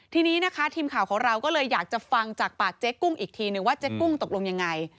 ทีนี้นะคะทีมข่าวของเราก็เลยอยากจะฟังจากปากเจ๊กุ้งอีกทีนึงว่าเจ๊กุ้งตกลงยังไง